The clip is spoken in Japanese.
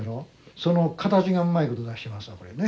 その形がうまいこと出してますわこれね。